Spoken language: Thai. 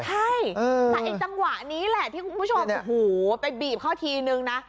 ใช่แต่ไอ้จังหวะนี้แหละที่คุณผู้ชมโอ้โหไปบีบเขาทีนึงนะ